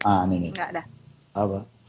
nah ini enggak ada